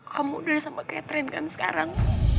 kamu udah sama catherine kan sekarang